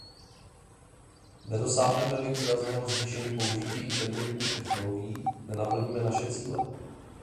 Nedosáhneme-li výrazného zvýšení použití inteligentních technologií, nenaplníme naše cíle.